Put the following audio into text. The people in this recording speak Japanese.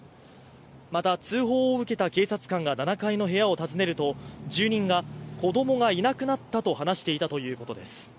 また、通報を受けた警察官が７階の部屋を訪ねると住人が、子供がいなくなったと話していたということです。